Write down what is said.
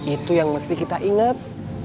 itu yang mesti kita ingat